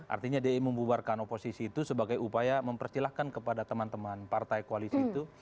artinya dia membubarkan oposisi itu sebagai upaya mempersilahkan kepada teman teman partai koalisi itu